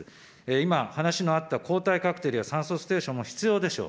今、話のあった抗体カクテルや酸素ステーションも必要でしょう。